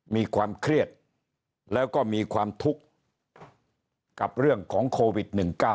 มีความเครียดแล้วก็มีความทุกข์กับเรื่องของโควิด๑๙